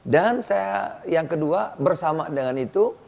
saya yang kedua bersama dengan itu